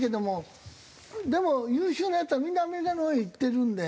でも優秀なヤツはみんなアメリカのほうへ行ってるんで。